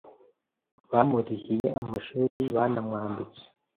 bamurihiye amashuri banamwambitse,